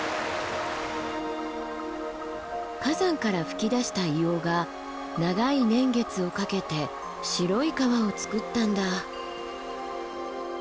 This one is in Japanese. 火山から噴き出した硫黄が長い年月をかけて白い川をつくったんだ。